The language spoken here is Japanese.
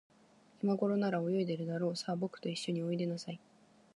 いまごろなら、泳いでいるだろう。さあ、ぼくといっしょにおいでなさい。